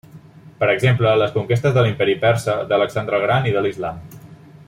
Per exemple, les conquestes de l'Imperi Persa, d'Alexandre el Gran i de l'Islam.